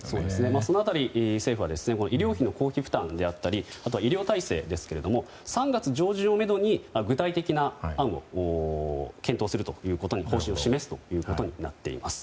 その辺り、政府は医療費の公費負担であったりあとは医療体制は３月上旬をめどに具体的な案を検討する方針を示すということになっています。